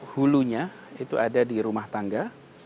hulu nya itu ada di rumah tangga